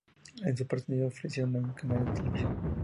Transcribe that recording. En su presentación ofrecía nueve canales de televisión.